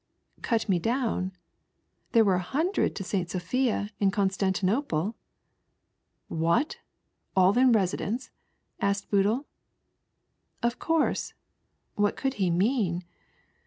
"Cut me down? There were a hundred to S. Sophia, in Constantinople." " What, all in residence ?" asked Boodle. " Of course ;" what could he mean